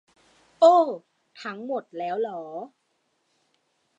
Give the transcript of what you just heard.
โอ้ ทั้งหมดแล้วหรอ